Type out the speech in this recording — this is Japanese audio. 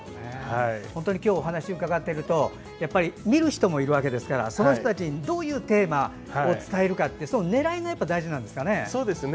本当に今日お話を伺っていると見る人もいるわけですからその人たちにどういうテーマを伝えるかってその狙いが大事なんですかね。